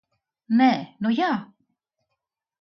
Nē, nu jā!